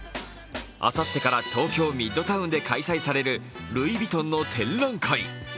あさってから東京ミッドタウンで開催されるルイ・ヴィトンの展覧会。